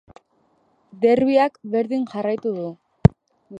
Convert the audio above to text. Derbiak berdin jarraitu du.